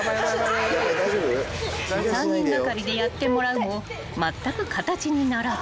［３人がかりでやってもらうもまったく形にならず］